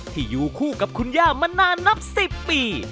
ที่อยู่คู่กับคุณย่ามานานนับ๑๐ปี